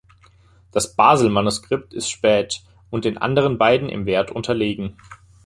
Das Basel-Manuskript ist spät und den anderen beiden im Wert unterlegen.